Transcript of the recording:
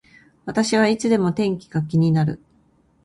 私はいつでも天気が気になる